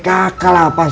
ke tu jonathan avaris